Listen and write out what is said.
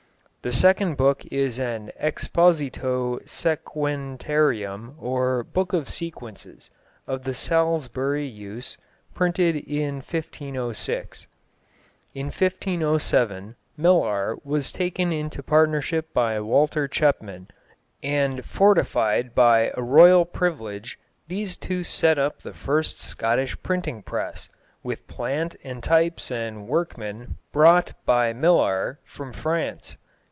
The second book is an Expositio Sequentiarum, or Book of Sequences, of the Salisbury use, printed in 1506. [Illustration: MYLLAR'S DEVICE.] In 1507 Myllar was taken into partnership by Walter Chepman, and fortified by a royal privilege these two set up the first Scottish printing press, with plant and types and workmen brought by Myllar from France.